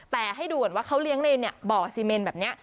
แต่ให้ดูก่อนว่าเขาเลี้ยงในบ่อซีเมนแบบนี้